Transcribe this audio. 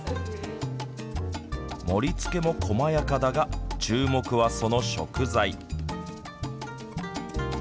盛りつけも細やかだが注目はその食材。